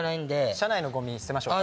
車内のゴミ捨てましょうか？